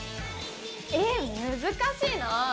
え難しいな。